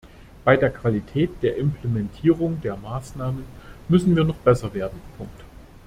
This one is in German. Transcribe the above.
Bei der Qualität der Implementierung der Maßnahmen müssen wir noch besser werden.